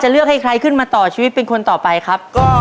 เริ่มครับ